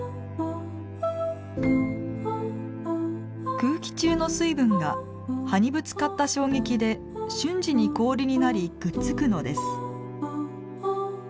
空気中の水分が葉にぶつかった衝撃で瞬時に氷になりくっつくのです。